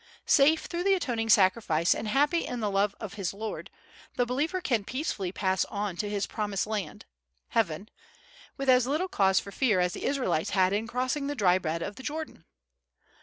Safe through the atoning sacrifice and happy in the love of his Lord, the believer can peacefully pass on to his promised land—heaven—with as little cause for fear as the Israelites had in crossing the dry bed of the Jordan."